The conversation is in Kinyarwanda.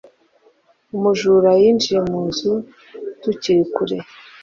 Umujura yinjiye mu nzu tukiri kure.